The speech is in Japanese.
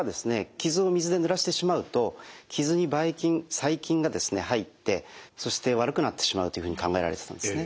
傷を水でぬらしてしまうと傷にばい菌細菌が入ってそして悪くなってしまうというふうに考えられてたんですね。